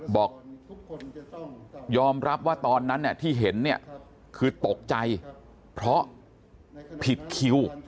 บอกยอมรับว่าตอนนั้นที่เห็นเนี่ยคือตกใจเพราะผิดคิว